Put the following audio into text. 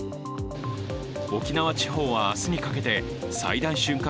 沖縄地方は明日にかけて最大瞬間